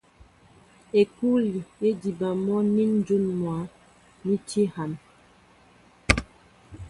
Ekûli é diba mɔ́ nín ǹjún mwǎ ni tí hân.